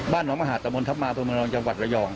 บ้านมหาตรับบนทัพมาตรวจมนตร์จังหวัดระยอง